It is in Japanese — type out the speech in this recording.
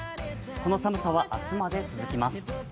この寒さは明日まで続きます。